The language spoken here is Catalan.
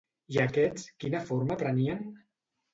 I aquests, quina forma prenien?